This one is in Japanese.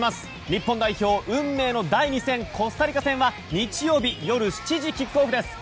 日本代表、運命の第２戦コスタリカ戦は日曜日夜７時キックオフです。